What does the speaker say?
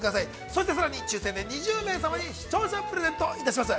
そして、さらに抽せんで２０名様に視聴者プレゼントいたします。